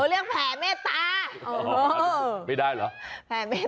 เราเรียกแผ่เมตตา